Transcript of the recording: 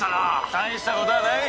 大した事はない。